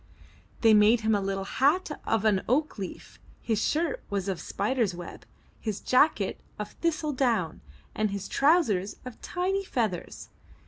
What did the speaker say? They made him a little hat of an oak leaf; his shirt was of spider's web, his jacket of thistledown, and his trousers of tiny feathers.